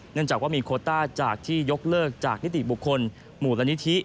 เนื่องจากว่ามีโคต้าจากที่ยกเลิกจากนิติบุคคลหมู่ละนิธิ